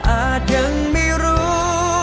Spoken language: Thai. อาจยังไม่รู้